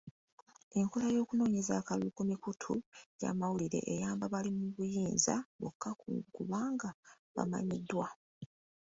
Enkola y'okunoonyeza akalulu ku emikutu gy'amawulire eyamba bali mu buyinza bokka kubanga bamanyiddwa.